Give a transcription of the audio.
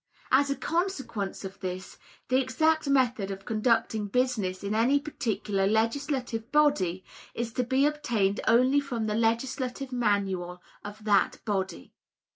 As a consequence of this, the exact method of conducting business in any particular legislative body is to be obtained only from the Legislative Manual of that body.